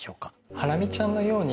ハラミちゃんのように。